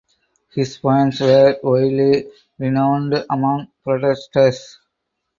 His poems were widely renowned among protesters.